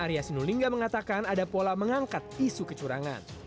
arya sinulinga mengatakan ada pola mengangkat isu kecurangan